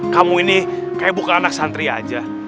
kamu ini kayak buka anak santri aja